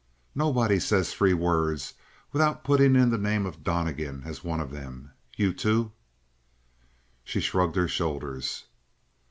"Nobody says three words without putting in the name of Donnegan as one of them! You, too!" She shrugged her shoulders.